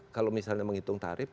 kalau misalnya menghitung tarif